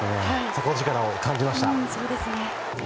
底力を感じましたね。